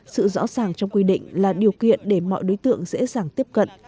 sự rõ ràng trong quy định là điều kiện để mọi đối tượng dễ dàng tiếp cận